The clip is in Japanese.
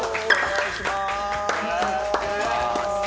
お願いします。